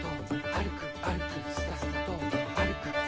「あるくあるくスタスタと」